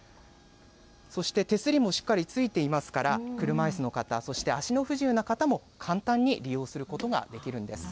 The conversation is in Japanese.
そして手すりもしっかり付いていますから、車いすの方、そして足の不自由な方も、簡単に利用することができるんです。